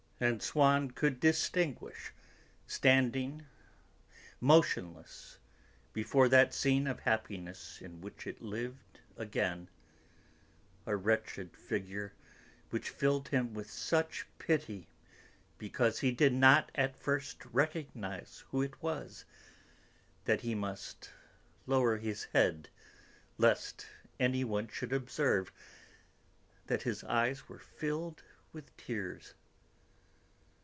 And Swann could distinguish, standing, motionless, before that scene of happiness in which it lived again, a wretched figure which filled him with such pity, because he did not at first recognise who it was, that he must lower his head, lest anyone should observe that his eyes were filled with tears.